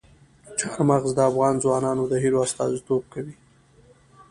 چار مغز د افغان ځوانانو د هیلو استازیتوب کوي.